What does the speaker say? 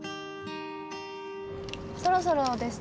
そろそろですね。